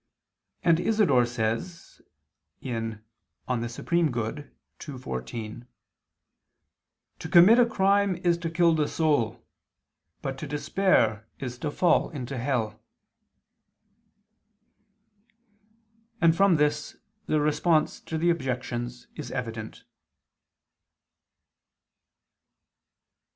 And Isidore says (De Sum. Bono ii, 14): "To commit a crime is to kill the soul, but to despair is to fall into hell." [And from this the response to the objections is evident.